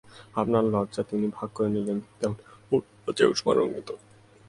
আপনার লজ্জা তিনি ভাগ করে নিলেন, যেমন অরুণের লজ্জায় উষা রক্তিম।